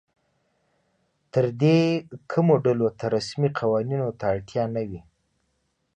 تر دې کمو ډلو ته رسمي قوانینو ته اړتیا نه وي.